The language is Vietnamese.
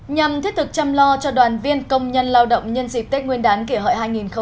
nhằm thiết thực chăm lo cho đoàn viên công nhân lao động nhân dịp tết nguyên đán kỷ hợi hai nghìn một mươi chín